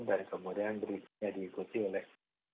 dan kemudian berikutnya diikuti oleh